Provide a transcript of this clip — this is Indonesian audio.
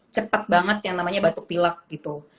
cepat banget yang namanya batuk pilek gitu